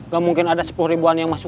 gak mungkin ada sepuluh ribuan yang masuk